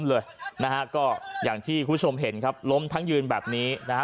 เลยนะฮะก็อย่างที่คุณผู้ชมเห็นครับล้มทั้งยืนแบบนี้นะฮะ